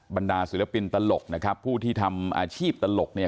บรรดาศิลปินตลกนะครับผู้ที่ทำอาชีพตลกเนี่ย